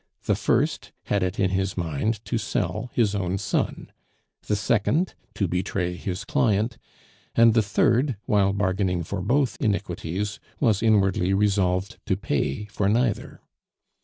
The first had it in his mind to sell his own son; the second, to betray his client; and the third, while bargaining for both iniquities, was inwardly resolved to pay for neither.